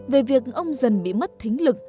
về việc ông dần bị mất thính lực